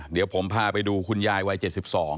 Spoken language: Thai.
เดี๋ยวผมพาไปดูคุณยายวัย๗๒